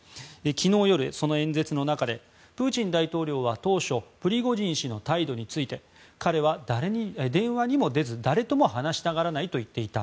昨日夜、その演説の中でプーチン大統領は当初プリゴジン氏の態度について彼は電話にも出ず誰とも話したがらないと言っていた。